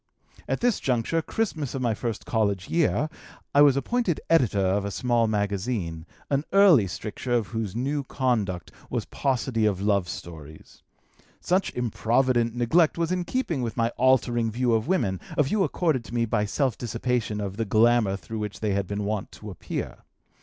At this juncture, Christmas of my first college year, I was appointed editor of a small magazine, an early stricture of whose new conduct was paucity of love stories. Such improvident neglect was in keeping with my altering view of women, a view accorded to me by self dissipation of the glamour through which they had been wont to appear.